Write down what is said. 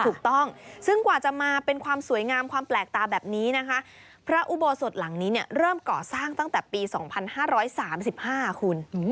ถูกต้องซึ่งกว่าจะมาเป็นความสวยงามความแปลกตาแบบนี้นะคะพระอุโบสถหลังนี้เนี่ยเริ่มก่อสร้างตั้งแต่ปี๒๕๓๕คุณ